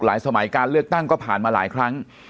สมัยการเลือกตั้งก็ผ่านมาหลายครั้ง